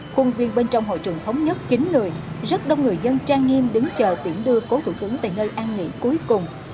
khuôn viên bên trong hội trường thống nhất kính lười rất đông người dân trang nghiêm đứng chờ tiễn đưa cố thủ tướng tại nơi an nghỉ cuối cùng